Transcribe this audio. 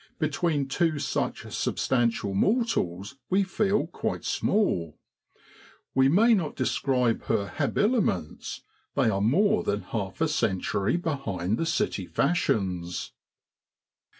Between two such substantial mortals we feel quite small. We may not describe her habiliments they are more than half a century behind the city fashions.